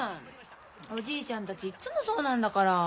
おじいちゃんたちいっつもそうなんだから。